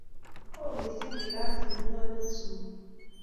oo mising kilasit nenyoo eng sukul